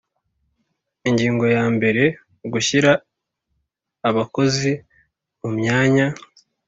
Ingingo yambere Gushyira abakozi mu myanya